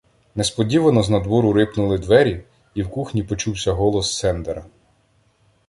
Несподівано знадвору рипнули двері і в кухні почувся голос Сендера: